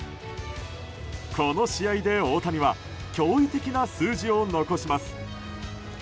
この試合で大谷は驚異的な数字を残します。